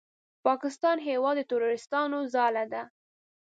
پاکستان هېواد د تروریستانو ځاله ده!